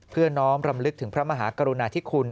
เพื่อน้องรำลึกถึงพระมหากรุณาธิคน